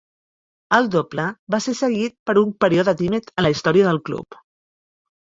El Doble va ser seguit per un període tímid en la història del club.